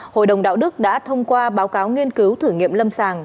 hội đồng đạo đức đã thông qua báo cáo nghiên cứu thử nghiệm lâm sàng